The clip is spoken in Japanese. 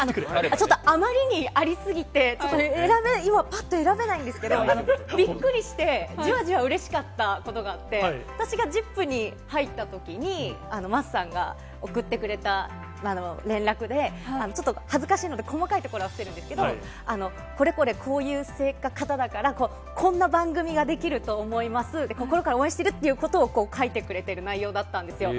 ちょっとあまりにありすぎて、ちょっと今ぱっと選べないんですけど、びっくりして、じわじわうれしかったことがあって、私がＺＩＰ！に入ったときに、桝さんが送ってくれた連絡で、ちょっと恥ずかしいので、細かいところは伏せるんですけど、これこれこういう方だから、こんな番組ができると思います、心から応援してるっていうことを書いてくれてる内容だったんですよ。